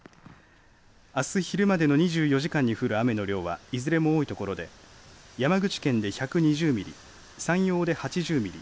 あす昼までの２４時間に降る雨の量はいずれも多いところで山口県で１２０ミリ山陽で８０ミリ